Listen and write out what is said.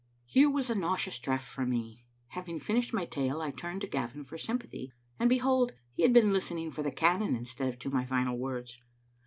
Here was a nauseous draught for me. Having fin ished my tale, I turned to Gavin for sympathy; and, behold, he had been listening for the cannon instead of to my final words.